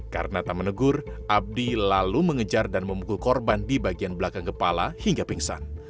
karena tak menegur abdi lalu mengejar dan memukul korban di bagian belakang kepala hingga pingsan